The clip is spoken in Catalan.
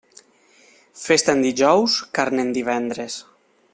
Festa en dijous, carn en divendres.